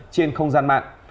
trên không gian mạng